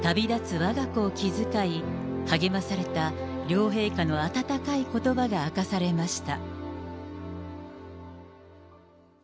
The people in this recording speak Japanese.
わが子を気遣い、励まされた両陛下の温かいことばが明かされました。